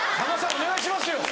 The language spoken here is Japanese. お願いしますよ！